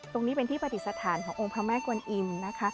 ตรงนี้เป็นที่ปฏิสถานขององค์พระแม่กวนอิมนะคะ